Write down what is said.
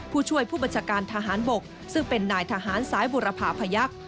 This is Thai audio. ผู้ช่วยผู้บัญชาการทหารบกซึ่งเป็นนายทหารสายบุรพาพยักษ์